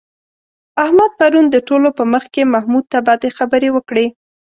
احمد پرون د ټولو په مخ کې محمود ته بدې خبرې وکړې.